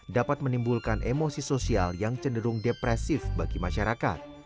dapat menimbulkan emosi sosial yang cenderung depresif bagi masyarakat